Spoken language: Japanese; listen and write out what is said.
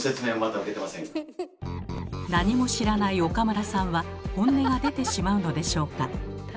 何も知らない岡村さんは本音が出てしまうのでしょうか。